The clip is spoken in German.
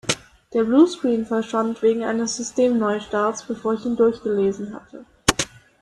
Der Bluescreen verschwand wegen eines Systemneustarts, bevor ich ihn durchgelesen hatte.